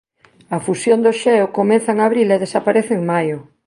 A fusión do xeo comeza en abril e desaparece en maio.